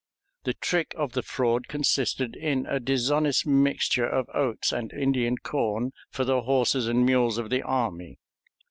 The trick of the fraud consisted in a dishonest mixture of oats and Indian corn for the horses and mules of the army.